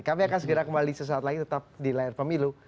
kami akan segera kembali sesaat lagi tetap di layar pemilu